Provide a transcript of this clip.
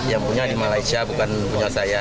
yang punya di malaysia bukan punya saya